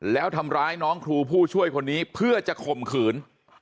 แล้วทำร้ายน้องครูผู้ช่วยคนนี้เพื่อจะข่มขืน